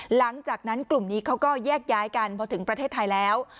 หลังจากนั้นกลุ่มนี้เขาก็แยกย้ายกันพอถึงประเทศไทยแล้ว